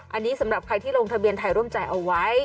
อันนี้สำหรับใครที่ลงทะเบียนไทยร่วมใจเอาไว้